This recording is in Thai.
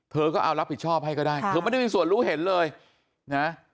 เธอก็เอารับผิดชอบให้ก็ได้เธอไม่ได้มีส่วนรู้เห็นเลยนะ